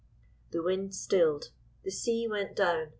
The wind stilled. The sea went down.